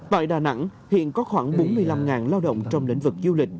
tại đà nẵng hiện có khoảng bốn mươi năm lao động trong lĩnh vực du lịch